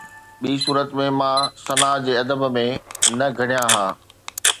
ٻي صورت ۾، مان ثناءَ جي ادب ۾ نه گهڙيان ها